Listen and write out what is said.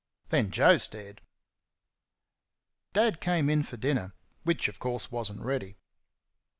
Then Joe stared. Dad came in for dinner which, of course, was n't ready.